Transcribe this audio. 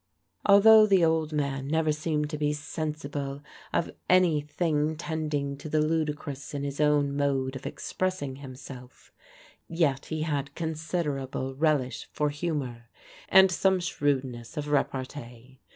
Although the old man never seemed to be sensible of any thing tending to the ludicrous in his own mode of expressing himself, yet he had considerable relish for humor, and some shrewdness of repartee.